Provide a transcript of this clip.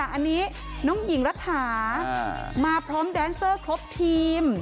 อันนี้น้องหญิงรัฐามาพร้อมแดนเซอร์ครบทีม